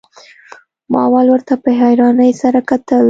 ما اول ورته په حيرانۍ سره کتل.